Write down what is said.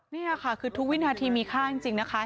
นี่ค่ะคือทุกวินาทีมีค่าจริงนะคะ